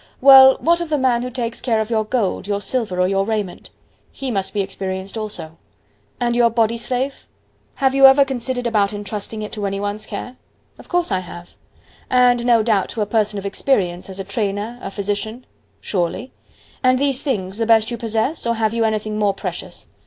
"Well, what of the man who takes care of your gold, your silver or your raiment?" "He must be experienced also." "And your body—have you ever considered about entrusting it to any one's care?" "Of course I have." "And no doubt to a person of experience as a trainer, a physician?" "Surely." "And these things the best you possess, or have you anything more precious?"